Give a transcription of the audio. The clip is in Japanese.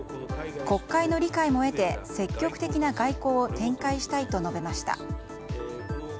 国会の理解も得て積極的な外交を展開したいと述べました。